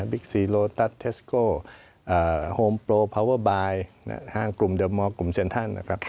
บิ๊กซีโลตัสเทสโก้โฮมโปรพาวเวอร์บาย๕กลุ่มเดิมอลกลุ่มเซ็นทัน